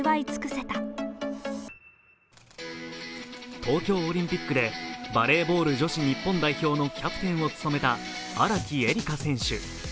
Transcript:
東京オリンピックでバレーボール女子日本代表のキャプテンを務めた荒木絵里香選手。